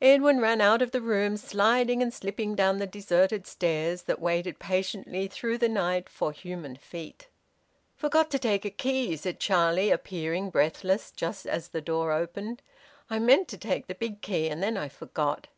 Edwin ran out of the room, sliding and slipping down the deserted stairs that waited patiently through the night for human feet. "Forgot to take a key," said Charlie, appearing, breathless, just as the door opened. "I meant to take the big key, and then I forgot."